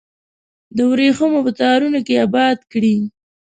د وریښمو په تارونو کې اباد کړي